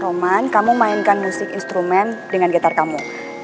roman kamu mainkan musik instrumen dengan getar kamu